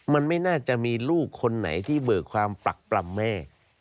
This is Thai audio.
มันไม่น่าจะมีลูกคนไหนที่เบิกความปรักปรำแม่